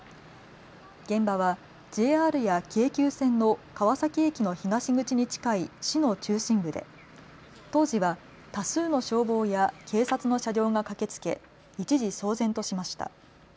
現場はＪＲや京急線の川崎駅の東口に近い市の中心部で当時は多数の消防や警察の車両が駆けつけ、一時、騒然としました。